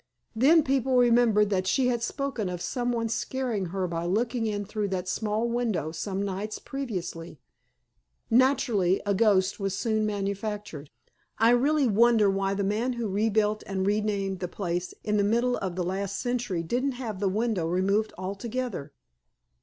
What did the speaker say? Then people remembered that she had spoken of someone scaring her by looking in through that small window some nights previously. Naturally, a ghost was soon manufactured. I really wonder why the man who rebuilt and renamed the place in the middle of last century didn't have the window removed altogether."